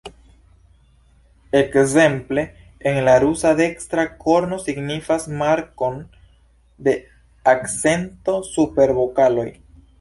Ekzemple en la rusa dekstra korno signifas markon de akcento super vokaloj.